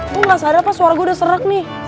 lo nggak sehari apa suara gue udah serak nih